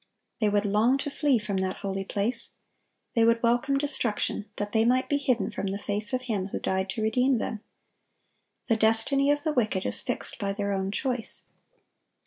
They would long to flee from that holy place. They would welcome destruction, that they might be hidden from the face of Him who died to redeem them. The destiny of the wicked is fixed by their own choice.